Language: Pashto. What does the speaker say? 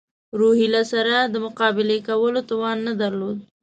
روهیله سره د مقابلې کولو توان نه درلود.